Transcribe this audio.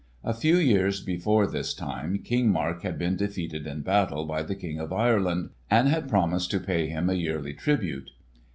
A few years before this time, King Mark had been defeated in battle by the King of Ireland, and had promised to pay him a yearly tribute.